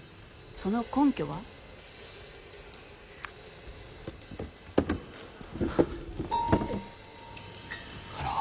その根拠は？えっ。